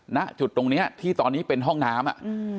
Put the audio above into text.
ณจุดตรงนี้ที่ตอนนี้เป็นห้องน้ำ